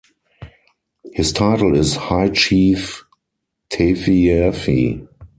His title is High Chief Tafiaiafi.